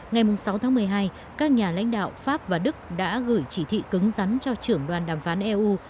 ngày sáu tháng một mươi hai các nhà lãnh đạo pháp và đức đã gửi chỉ thị cứng rắn cho trưởng đoàn đàm phán eu